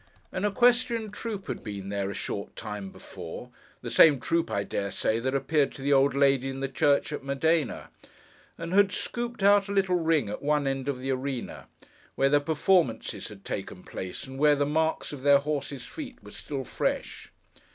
An equestrian troop had been there, a short time before—the same troop, I dare say, that appeared to the old lady in the church at Modena—and had scooped out a little ring at one end of the area; where their performances had taken place, and where the marks of their horses' feet were still fresh.